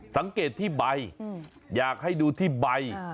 สังเกตที่ใบอยากให้ดูที่ใบ